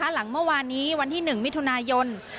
หลังเมื่อวานนี้วันที่๑มิถุนายน